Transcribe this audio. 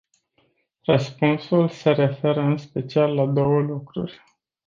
Răspunsul se referă în special la două lucruri.